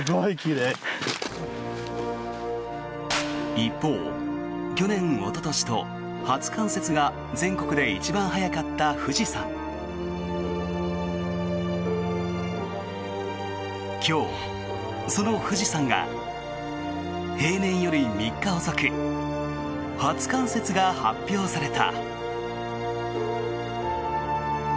一方、去年おととしと初冠雪が全国で一番早かった富士山。今日、その富士山が平年より３日遅く初冠雪が発表された。